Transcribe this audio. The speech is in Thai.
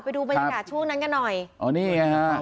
ไปดูบรรยากาศช่วงนั้นกันหน่อย